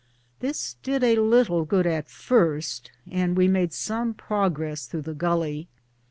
This did a little good at first, and we made some prog ress through the gully.